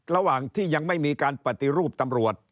ระหว่างที่ยังไม่มีการปฏิรูปตำรวจ